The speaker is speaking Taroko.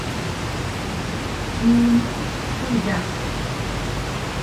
Kulu huda